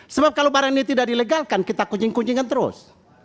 sebab kalau barang ini tidak dilegalkan kita kucing kucingkan terus